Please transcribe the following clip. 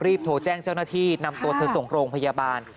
โทรแจ้งเจ้าหน้าที่นำตัวเธอส่งโรงพยาบาล